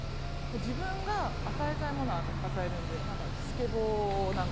自分が与えたいものを与えるんでスケボーを。